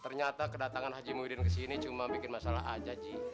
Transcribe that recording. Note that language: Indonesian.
ternyata kedatangan haji muhyiddin ke sini cuma bikin masalah aja sih